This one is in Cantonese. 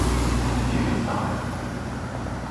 魚蛋